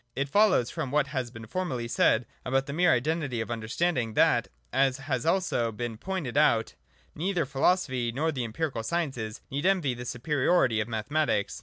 It follows from what has been formerly said about the mere Identity of understanding that, as has also been pointed out (§ 99, note), neither philosophy nor the empirical sciences need envy this superiority of Mathe matics.